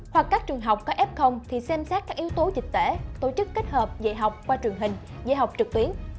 hoặc các trường học có f thì xem xét các yếu tố dịch tễ tổ chức kết hợp dạy học qua truyền hình dạy học trực tuyến